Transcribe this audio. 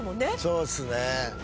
そうっすね。